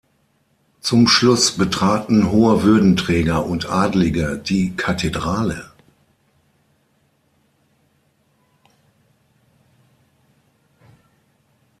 Zum Schluss betraten hohe Würdenträger und Adlige die Kathedrale.